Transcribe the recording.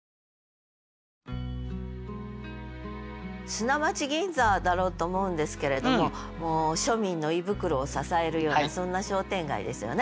砂町銀座だろうと思うんですけれどももう庶民の胃袋を支えるようなそんな商店街ですよね。